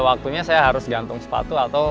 waktunya saya harus gantung sepatu atau